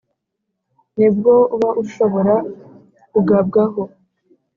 Ni bwo uba ushobora kugabwaho